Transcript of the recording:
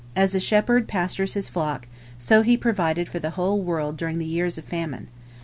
As a shepherd pastures his flock, so he provided for the whole world during the years of famine.